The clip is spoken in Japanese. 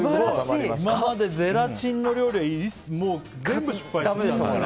今までゼラチンの料理は全部失敗してきたから。